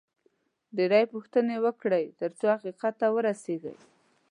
ډېرې پوښتنې وکړئ، ترڅو حقیقت ته ورسېږئ